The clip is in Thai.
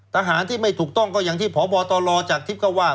ทหารที่ไม่ถูกต้องก็อย่างที่พบตลจากทิพย์ก็ว่า